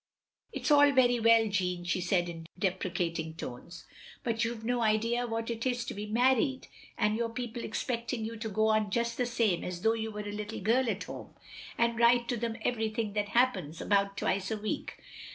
" It 's all very well, Jeanne, " she said, in depre cating tones, " but you 've no idea what it is to be married, and your people expecting you to go on just the same as though you were a little girl at home, and write to them everything that happens, about twice a week.